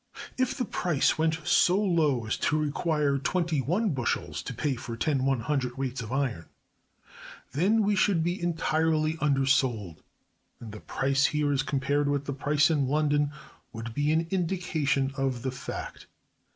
If the price went so low as to require twenty one bushels to pay for ten cwts. of iron, then we should be entirely undersold; and the price here as compared with the price in London would be an indication of the fact.